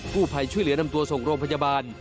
ผู้ภัยช่วยเหลือนำตัวส่งโรงพยาบาล